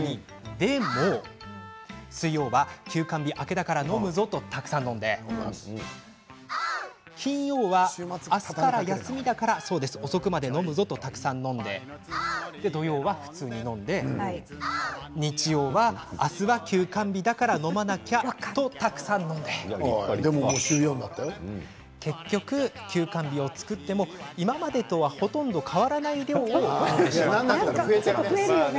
でも水曜は休肝日明けだから飲むぞとたくさん飲んで金曜は、明日から休みだから遅くまで飲むぞとたくさん飲んで土曜は普通に飲んで日曜は、明日は休肝日だから飲まなきゃとたくさん飲んで結局、休肝日を作っても今までとほとんど変わらない量を飲んでしまっています。